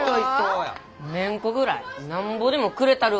メンコぐらいなんぼでもくれたるわ。